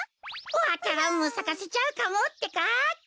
わか蘭もさかせちゃうかもってか。